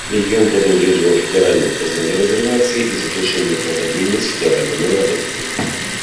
Ён прадугледжваў федэральнае прызнанне рэзервацыі і заключэнне пагаднення з федэральным урадам.